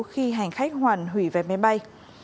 khi hành khách hoàn hủy về máy bay